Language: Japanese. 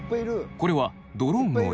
これはドローンの映像。